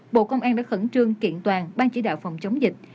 bộ công an đã khẩn trương kiện toàn ban chỉ đạo phòng chống dịch